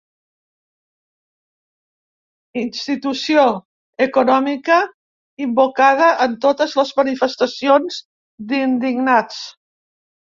Institució econòmica invocada en totes les manifestacions d'indignats.